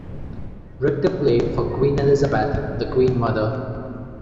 Richter played for Queen Elizabeth The Queen Mother.